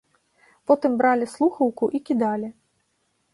Потым бралі слухаўку і кідалі.